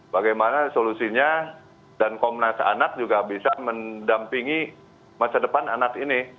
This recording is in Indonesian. bagaimana solusinya dan komnas anak juga bisa mendampingi masa depan anak ini